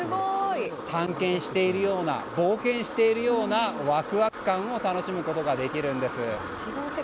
探検しているような冒険しているようなワクワク感を楽しむことができるんです。